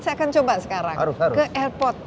saya akan coba sekarang ke airport